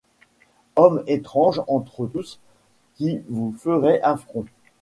Homme étrange entre tous, qui vous ferait affront